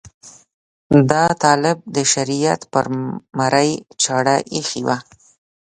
دا طالب د شریعت پر مرۍ چاړه ایښې وه.